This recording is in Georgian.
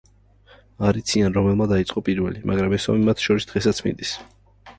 არ იციან რომელმა დაიწყო პირველი, მაგრამ ეს ომი მათ შორის დღესაც მიდის.